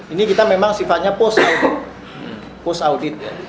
ini kita memang sifatnya post audit